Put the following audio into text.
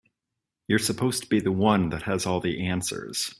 You're supposed to be the one that has all the answers.